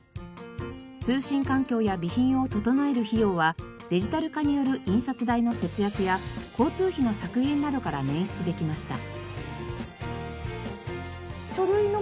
通信環境や備品を整える費用はデジタル化による印刷代の節約や交通費の削減などから捻出できました。